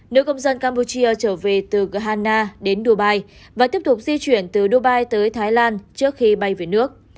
nữ công dân campuchia trở về từ ghana đến dubai và tiếp tục di chuyển từ dubai tới thái lan trước khi bay về nước